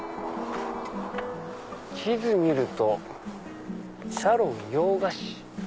地図見るとシャロン洋菓子。